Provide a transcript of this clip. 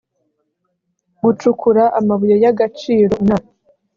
gucukura amabuye y agaciro na